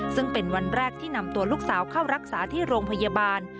ซึ่งเป็นวันแรกที่นำตัวลูกสาวเข้ารักษาที่โรงพยาบาล